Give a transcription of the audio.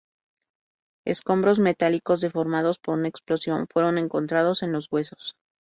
Escombros metálicos deformados por una explosión fueron encontrados en los huesos.